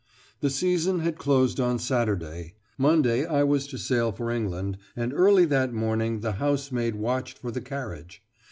The season had closed on Saturday. Monday I was to sail for England, and early that morning the housemaid watched for the carriage.